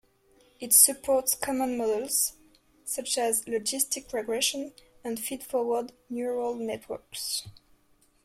It supports common models such as logistic regression and feedforward neural networks.